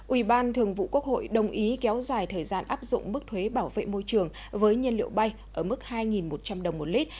ubthqh đồng ý kéo dài thời gian áp dụng mức thuế bảo vệ môi trường với nhân liệu bay ở mức hai một trăm linh đồng một lít